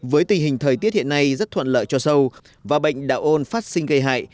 với tình hình thời tiết hiện nay rất thuận lợi cho sâu và bệnh đạo ôn phát sinh gây hại